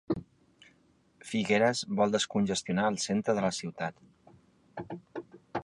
Figueres vol descongestionar el centre de la ciutat.